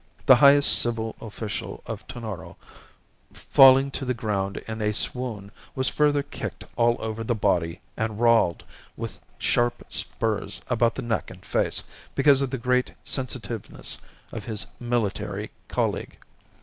The highest civil official of Tonoro, falling to the ground in a swoon, was further kicked all over the body and rowelled with sharp spurs about the neck and face because of the great sensitiveness of his military colleague.